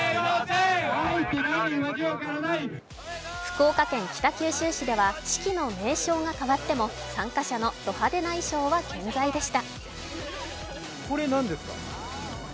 福岡県北九州市では式の名称が変わっても参加者のド派手な衣装は健在でした。